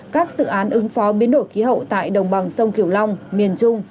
các dự án ứng phó biến đổi khí hậu tại đồng bằng sông kiểu long miền trung